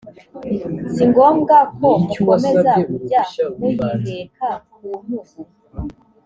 si ngombwa ko mukomeza kujya muyiheka ku ntugu